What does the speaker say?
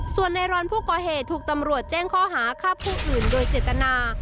ส่วนในรอนผู้ก่อเหตุถูกตำรวจแจ้งข้อหาฆ่าผู้อื่นโดยเจตนา